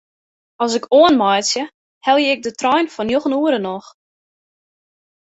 As ik oanmeitsje helje ik de trein fan njoggen oere noch.